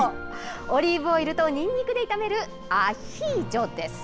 オリーブオイルとにんにくで炒めるアヒージョです。